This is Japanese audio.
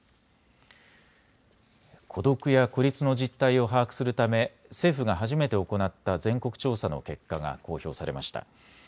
孤独や孤立の実態を把握するため政府が初めて行った全国調査の結果が公表されました。